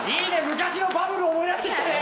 昔のバブルを思い出してきたね。